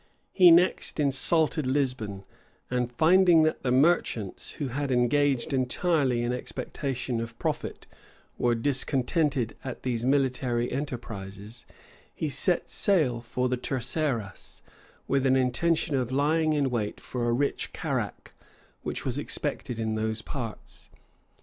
He next insulted Lisbon; and finding that the merchants, who had engaged entirely in expectation of profit, were discontented at these military enterprises, he set sail for the Terceras, with an intention of lying in wait for a rich carrack, which was expected in those parts.